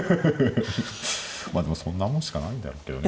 まあでもそんなもんしかないんだけどね